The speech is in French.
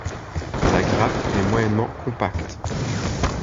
La grappe est moyennement compacte.